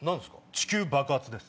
地球爆発です。